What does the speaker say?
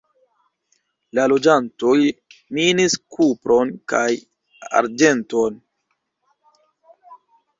La loĝantoj minis kupron kaj arĝenton.